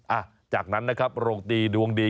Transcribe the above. อ่ะจากนั้นนะครับโรตีดวงดี